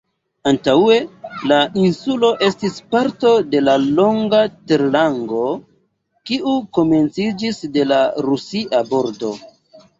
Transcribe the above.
Antaŭe la insulo estis parto de longa terlango, kiu komenciĝis de la Rusia bordo.